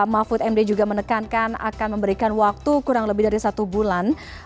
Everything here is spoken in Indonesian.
mahfud md juga menekankan akan memberikan waktu kurang lebih dari satu bulan